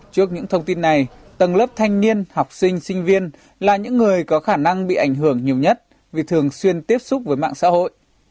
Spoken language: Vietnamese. trước những thông tin này tầng lớp thanh niên học sinh sinh viên là những người có khả năng bị ảnh hưởng nhiều nhất vì thường xuyên tiếp xúc với mạng xã hội